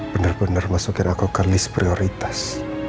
bener bener masukin aku ke list prioritas